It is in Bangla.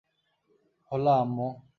হোলা, আম্মু।